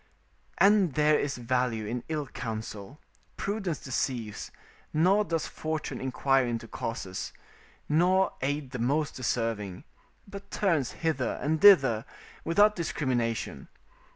["And there is value in ill counsel: prudence deceives: nor does fortune inquire into causes, nor aid the most deserving, but turns hither and thither without discrimination.